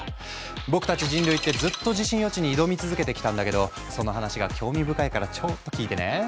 僕たち人類ってずっと地震予知に挑み続けてきたんだけどその話が興味深いからちょっと聞いてね。